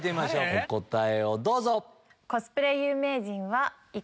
お答えをどうぞ！